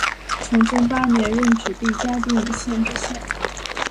崇祯八年任直隶嘉定县知县。